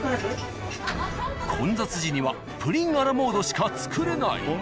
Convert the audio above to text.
混雑時にはプリンアラモードしか作れない。